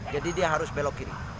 jadi dia harus belok kiri